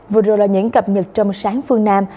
vừa rồi là những cập nhật trong sáng phương nam